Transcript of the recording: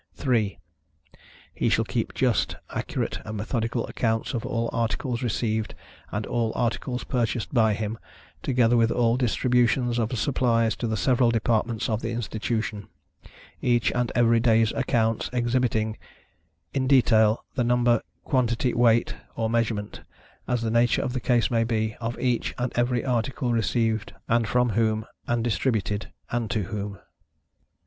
3. He shall keep just, accurate and methodical accounts of all articles received, and all articles purchased by him, together with all distributions of supplies to the several departments of the Institutionâ€"each and every dayâ€™s accounts exhibiting, in detail, the number, quantity weight or measurement, as the nature of the case may be, of each and every article received, and from whom, and distributed, and to whom.